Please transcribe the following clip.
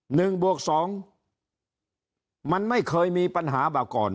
บวกสองมันไม่เคยมีปัญหามาก่อน